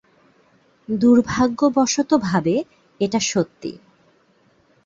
দুর্ভাগ্যবশতভাবে এটা সত্যি।